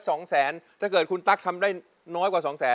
ถ้าเกิดคุณตั๊กส์ทำได้น้อยกว่า๒๐๐๐๐๐